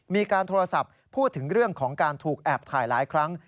มีการโทรศัพท์พูดถึงเรื่องของการถูกแอบถ่ายหลายครั้ง